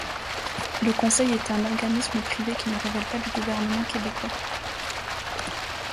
Le conseil est un organisme privé qui ne relève pas du gouvernement québécois.